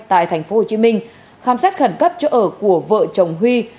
tại thành phố hồ chí minh khám sát khẩn cấp chỗ ở của vợ chồng huy